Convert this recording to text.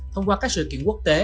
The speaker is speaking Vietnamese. thông qua các sự kiện quốc tế